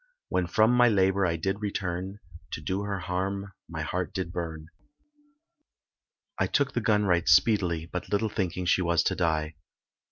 When from my labour I did return, To do her harm my heart did burn, I took the gun right speedily, But little thinking she was to die.